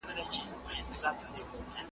خپل ذهن به په مثبتو کیسو بوخت ساتئ.